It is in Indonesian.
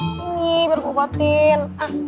sini biar gue obatin